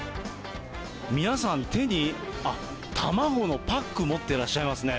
皆さん、手にあっ、卵のパック持ってらっしゃいますね。